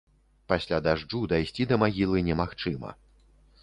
Пасля дажджу дайсці да магілы немагчыма.